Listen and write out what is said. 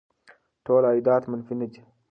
ټول عایدات منفي نه دي.